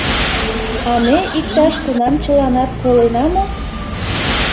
— А ме иктаж-кунам чыланат колена мо?